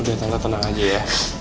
udah tanggal tenang aja ya